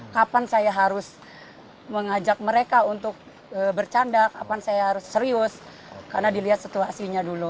kapan saya harus mengajak mereka untuk bercanda kapan saya harus serius karena dilihat situasinya dulu